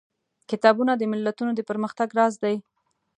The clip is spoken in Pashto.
کتابونه د ملتونو د پرمختګ راز دي.